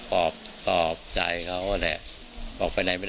ก็พาไปไหนหางานทำก็ไปไหนแล้ว